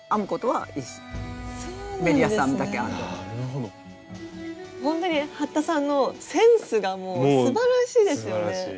ほんとに服田さんのセンスがもうすばらしいですよね。